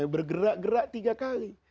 bergerak gerak tiga kali